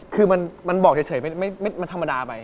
คือมันบอกเฉยมันธรรมดาไป